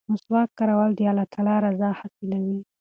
مسواک کارول د الله تعالی رضا حاصلوي.